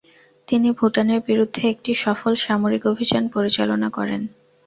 তিনি ভুটানের বিরুদ্ধে একটি সফল সামরিক অভিযান পরিচালনা করেন।